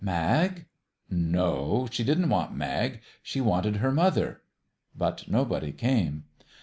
Mag? No; she didn't want Mag. She wanted her mother. But nobody came.